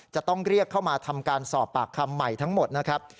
จะต้องเรียกเข้ามาทำการสอบปากคำใหม่ทั้งหมดนะครับ